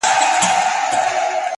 هو رشتيا،